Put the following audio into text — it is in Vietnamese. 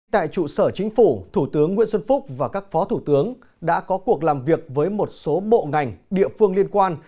tại trụ sở chính phủ thủ tướng nguyễn xuân phúc và các phó thủ tướng đã có cuộc làm việc với một số bộ ngành địa phương liên quan